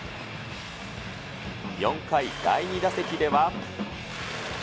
４回、第２打席では。